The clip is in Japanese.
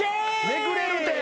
めくれるって！